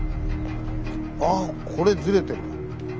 ああこれずれてるわ。